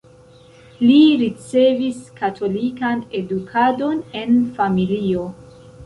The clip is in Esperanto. Li ricevis katolikan edukadon en familio.